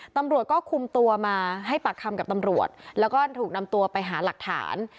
ตำรวจก็คุมตัวมาให้ปากคำกับตำรวจแล้วก็ถูกนำตัวไปหาหลักฐาน